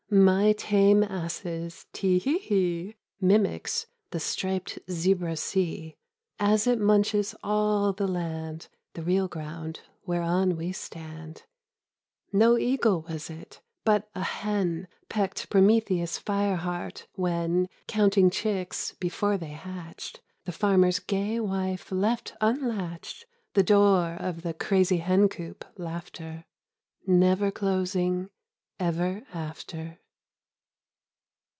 My tame asses' tee hee hee Mimics the striped zebra sea As it munches all the land — The real ground whereon we stand :" No eagle was it, but a hen Pecked Prometheus' fire heart when Counting chicks before they hatched The farmer's gay wife left unlatched The door of the crazy hen coop Laughter Never closing ever after